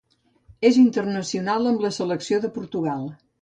És internacional amb la selecció de Portugal.